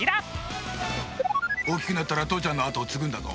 大きくなったら父ちゃんの跡を継ぐんだぞ。